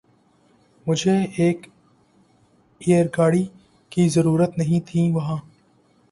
مجھیں ایک ایںر گاڑی کی ضریںرت نہیں تھیں وہاں